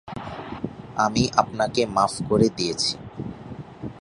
আমি আপনাকে মাফ করে দিয়েছি।